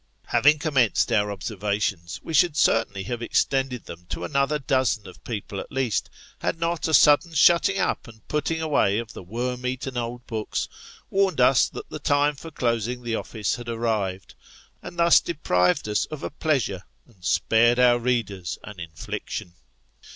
Having commenced our observations, we should certainly have ex tended them to another dozen of people at least, had not a sudden shutting up and putting away of the worm eaten old books, warned us that the time for closing the office had arrived ; and thus deprived us of a pleasure, and spared our readers an infliction.